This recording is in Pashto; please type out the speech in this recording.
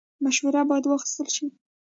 مشوره باید واخیستل شي